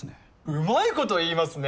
うまいこと言いますね